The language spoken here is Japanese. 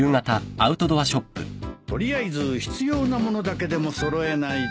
取りあえず必要な物だけでも揃えないと。